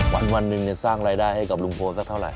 วันหนึ่งสร้างรายได้ให้กับลุงพลสักเท่าไห